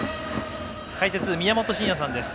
解説、宮本慎也さんです。